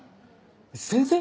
先生？